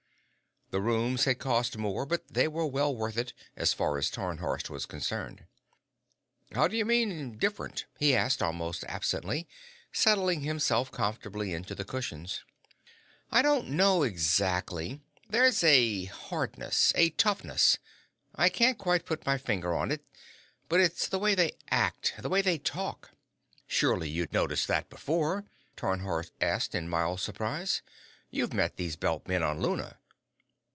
The rooms had cost more, but they were well worth it, as far as Tarnhorst was concerned. "How do you mean, 'different'?" he asked almost absently, settling himself comfortably into the cushions. "I don't know exactly. There's a hardness, a toughness I can't quite put my finger on it, but it's in the way they act, the way they talk." "Surely you'd noticed that before?" Tarnhorst asked in mild surprise. "You've met these Belt men on Luna."